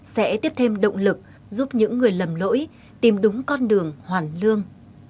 sẽ tiếp thêm động lực giúp những người lầm lỗi tìm đúng con đường hoàn lương